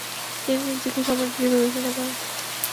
তিনি নিজেকে সম্রাট হিসেবে ঘোষণা করে।